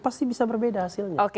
pasti bisa berbeda hasilnya